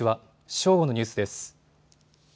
正午のニュースです。